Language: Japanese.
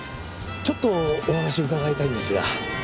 ちょっとお話を伺いたいんですが。